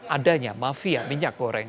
adanya mafia minyak goreng